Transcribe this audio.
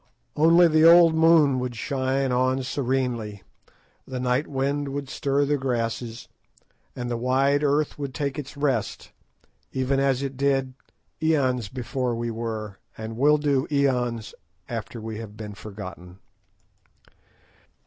Only the old moon would shine on serenely, the night wind would stir the grasses, and the wide earth would take its rest, even as it did æons before we were, and will do æons after we have been forgotten.